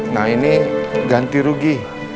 nah ini ganti rugi